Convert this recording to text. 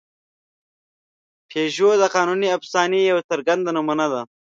پيژو د قانوني افسانې یوه څرګنده نمونه ده.